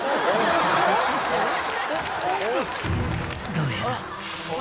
「どうやら」